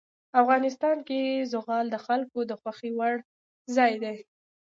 افغانستان کې زغال د خلکو د خوښې وړ ځای دی.